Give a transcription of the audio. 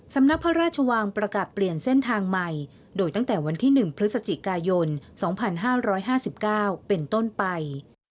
สำนักพระราชวังประกาศเปลี่ยนเส้นทางใหม่โดยตั้งแต่วันที่๑พฤศจิกายน๒๕๕๙เป็นต้นไป